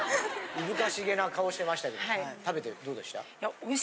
訝しげな顔してましたけど食べてどうでした？